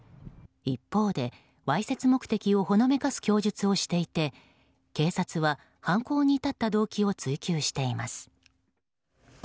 一方で、わいせつ目的をほのめかす供述をしていて警察は犯行に至った動機を追及しています。